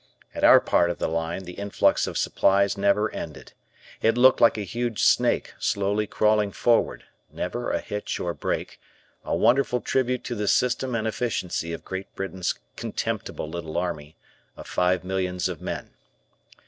At our part of the line the influx of supplies never ended. It looked like a huge snake slowly crawling forward, never a hitch or break, a wonderful tribute to the system and efficiency of Great Britain's "contemptible little army" of five millions of men.